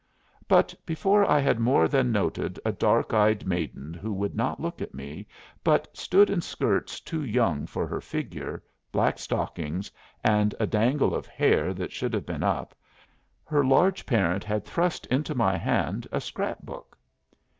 But before I had more than noted a dark eyed maiden who would not look at me, but stood in skirts too young for her figure, black stockings, and a dangle of hair that should have been up, her large parent had thrust into my hand a scrap book.